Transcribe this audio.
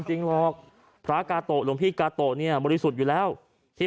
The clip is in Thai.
จริงหรอกพระกาโตะหลวงพี่กาโตะเนี่ยบริสุทธิ์อยู่แล้วที่